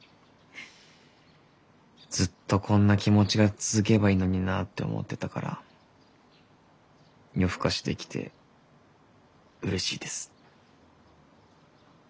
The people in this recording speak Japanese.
ずっとこんな気持ちが続けばいいのになって思ってたから夜更かしできてうれしいです。